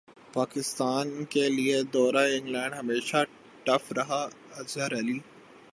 پاکستان کیلئے دورہ انگلینڈ ہمیشہ ٹف رہا اظہر علی